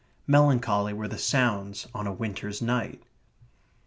Melancholy were the sounds on a winter's night.